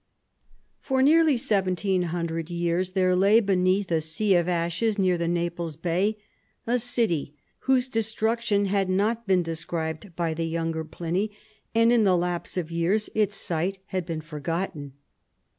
For nearly seventeen hundred years there lay beneath a sea of ashes near the Naples Bay, a city whose destruction had not been described by the younger Pliny; and in the lapse of years its site had been forgotten.